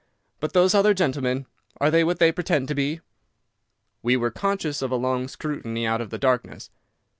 "But those other gentlemen, are they what they pretend to be?" We were conscious of a long scrutiny out of the darkness.